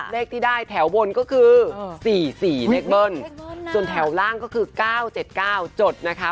เลขที่ได้แถวบนก็คือ๔๔เลขเบิ้ลส่วนแถวล่างก็คือ๙๗๙จดนะคะ